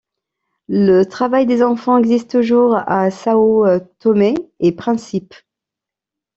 Le travail des enfants existe toujours à Sao Tomé-et-Principe.